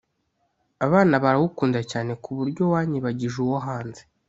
abana barawukunda cyane ku buryo wanyibagije uwo hanze